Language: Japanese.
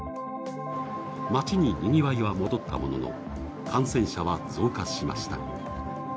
街ににぎわいは戻ったものの、感染者は増加しました。